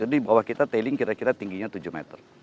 jadi di bawah kita tailing kira kira tingginya tujuh meter